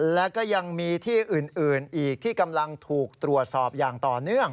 แล้วก็ยังมีที่อื่นอีกที่กำลังถูกตรวจสอบอย่างต่อเนื่อง